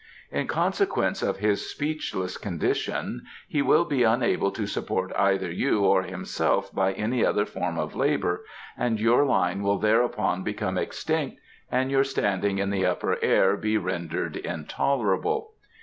In consequence of his speechless condition he will be unable to support either you or himself by any other form of labour, and your line will thereupon become extinct and your standing in the Upper Air be rendered intolerable."